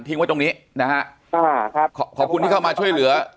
ไว้ตรงนี้นะฮะอ่าครับขอขอบคุณที่เข้ามาช่วยเหลือ